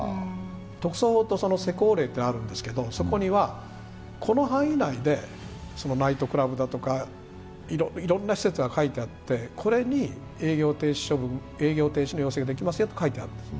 特措法と施行令とあるんですけれども、そこにはこの範囲内で、ナイトクラブだとかいろいろな施設が書いてあってこれに営業停止の要請ができますよと書いてあるんです。